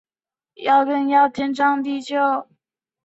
枫丹白露度假村曾为度假村创造营收新高。